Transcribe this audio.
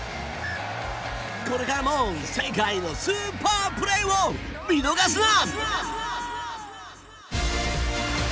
これからも世界のスーパープレーを見逃すな。